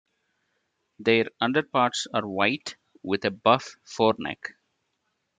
Their underparts are white, with a buff foreneck.